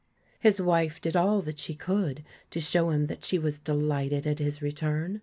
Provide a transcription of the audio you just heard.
His wife did all that she could to show him that she was delighted at his return.